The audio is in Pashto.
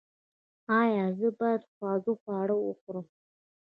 ایا زه باید خوږ خواړه وخورم؟